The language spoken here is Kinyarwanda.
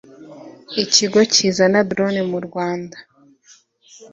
Ikigo kizana drones mu Rwanda